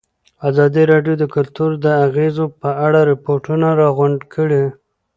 ازادي راډیو د کلتور د اغېزو په اړه ریپوټونه راغونډ کړي.